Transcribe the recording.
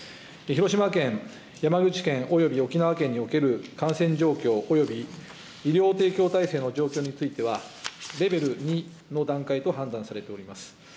広島県、山口県および沖縄県における感染状況および医療提供体制の状況については、レベル２の段階と判断されております。